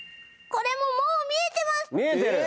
これももう見えてます